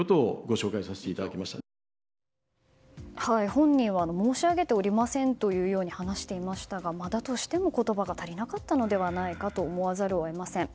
本人は申し上げておりませんと話していましたがだとしても言葉が足りなかったんじゃないかと思わざるを得ません。